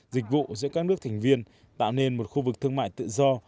dịch vụ giữa các nước thành viên tạo nên một khu vực thương mại tự do